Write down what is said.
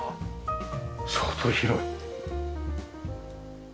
相当広い。